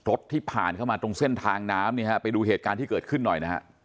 ทฤทธิ์ที่ผ่านเข้ามาตรงเส้นทางน้ำไปดูเหตุการณ์ที่เกิดขึ้นหน่อย